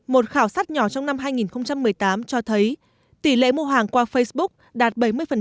một khảo sát nhỏ trong năm hai nghìn một mươi tám cho thấy tỷ lệ mua hàng qua facebook đạt bảy mươi